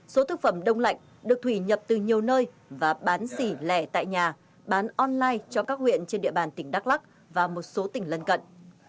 số thực phẩm đông lạnh được thủy nhập từ nhiều nơi và bán xỉ lẻ tại nhà bán online cho các huyện trên địa bàn tỉnh đắk lắc và một số tỉnh lân cận